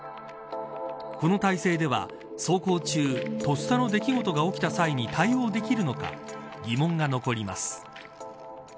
この体勢では走行中とっさの出来事が起きた際に対応できるのか疑問が残ります。